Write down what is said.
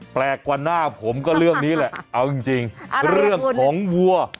แปลกกว่าหน้าผมก็เรื่องนี้แหละเอาจริงเรื่องของวัว